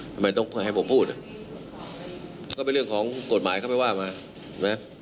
ทำไมต้องให้ผมพูดเลยก็เป็นเรื่องของกรรมัยเขาไปว่าไง